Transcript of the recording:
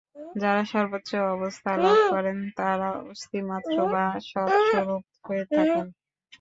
যাঁরা সর্বোচ্চ অবস্থা লাভ করেন, তাঁরা অস্তিমাত্র বা সৎস্বরূপ হয়ে থাকেন।